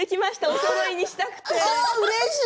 おそろいにしたくて。